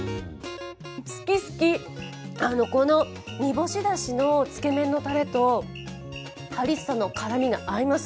好き好き、この煮干しだしのつけ麺のたれとハリッサの辛みが合います。